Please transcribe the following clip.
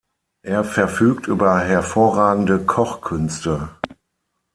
Er verfügt über hervorragende Kochkünste.